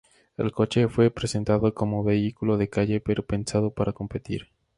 El coche fue presentado como vehículo de calle pero pensado para competir.